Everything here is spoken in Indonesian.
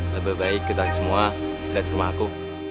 lebih baik kita semua setelah rumahku